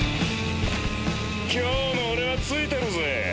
今日の俺はツイてるぜ。